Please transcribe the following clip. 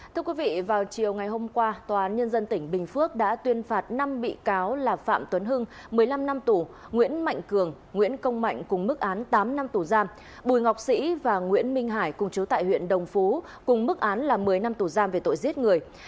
thưa quý vị vào chiều ngày hôm qua tòa án nhân dân tỉnh bình phước đã tuyên phạt năm bị cáo là phạm tuấn hưng một mươi năm năm tù nguyễn mạnh cường nguyễn công mạnh cùng mức án tám năm tù giam bùi ngọc sĩ và nguyễn minh hải cùng chú tại huyện đồng phú cùng mức án là một mươi năm tù giam về tội giết người